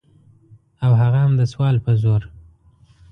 او هغه هم د سوال په زور.